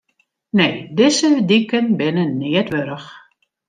Nee, dizze diken binne neat wurdich.